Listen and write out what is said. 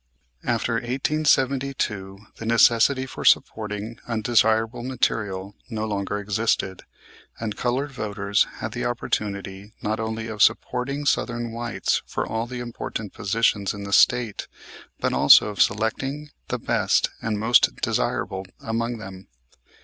After 1872 the necessity for supporting undesirable material no longer existed; and colored voters had the opportunity not only of supporting Southern whites for all the important positions in the State, but also of selecting the best and most desirable among them.